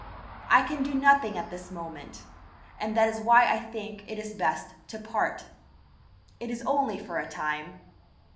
I can do nothing at this moment, and that is why I think it is best to part. It is only for a time.